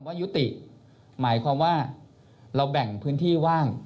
ยุติหมายความว่าเราแบ่งพื้นที่ว่าง